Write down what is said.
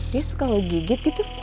dia suka kamu gigit gitu